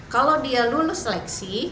kalau dia lulus seleksi